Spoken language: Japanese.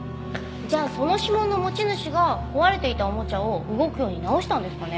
じゃあその指紋の持ち主が壊れていたおもちゃを動くように直したんですかね？